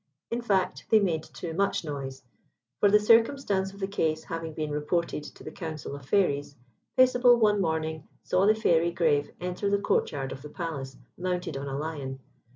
In fact, they made too much noise, for the circumstances of the case having been reported to the Council of Fairies, Paisible, one morning, saw the Fairy Grave enter the court yard of the Palace, mounted on a lion.